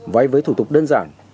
vây với thủ tục đơn giản